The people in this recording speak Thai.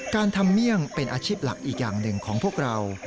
การทำเมี่ยงเป็นอาชีพหลักอีกอย่างหนึ่งของพวกเรา